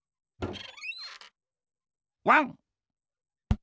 ワン！